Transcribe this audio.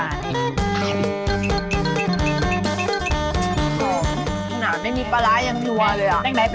อุ๊ยไม่มีปลาร้ายังนัวเลย